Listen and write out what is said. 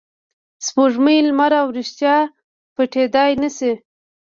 سپوږمۍ، لمر او ریښتیا پټېدای نه شي.